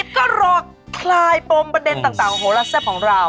ก็รอคลายปมประเด็นต่างโหละแซ่บของเรา